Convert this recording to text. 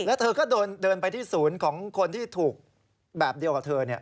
แล้วเธอก็เดินไปที่ศูนย์ของคนที่ถูกแบบเดียวกับเธอ